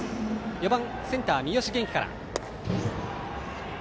４番、センターの三好元気から。